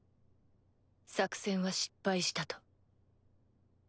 作戦は失敗したと。